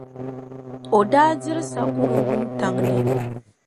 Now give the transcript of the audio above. O daa diri sakɔro wuntaŋ ni.